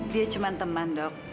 dia cuma teman dok